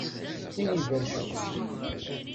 Tin ibercen.